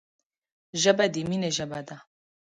ژبه د مینې ژبه ده